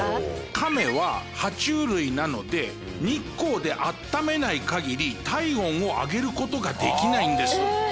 カメは爬虫類なので日光で温めない限り体温を上げる事ができないんです。